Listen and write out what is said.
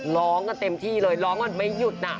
ร้องกันเต็มที่เลยร้องกันไม่หยุดน่ะ